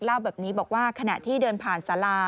เล่าแบบนี้บอกว่าขณะที่เดินผ่านสารา